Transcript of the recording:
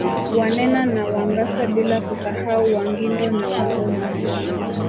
Wanena na Wangasa bila kusahau Wangindo na Wangoni